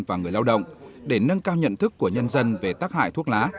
và người lao động để nâng cao nhận thức của nhân dân về tác hại thuốc lá